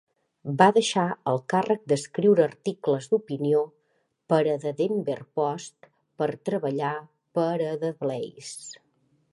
Va deixar el càrrec d'escriure articles d'opinió per a "The Denver Post" per treballar per a TheBlaze.